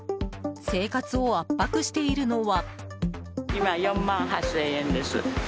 生活を圧迫しているのは。